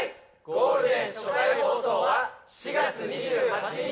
ゴールデン初回放送は４月２８日